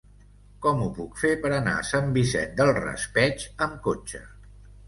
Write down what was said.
Com ho puc fer per anar a Sant Vicent del Raspeig amb cotxe?